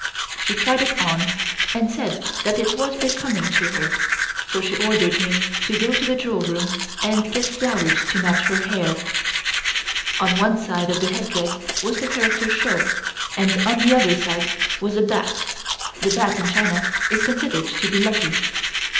She tried it on, and said that it was becoming to her, so she ordered me to go to the jewel room and get flowers to match for her hair. On one side of the headdress was the character (shou) and on the other side was a bat (the bat in China is considered to be lucky).